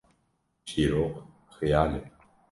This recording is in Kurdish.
çîrok xeyal e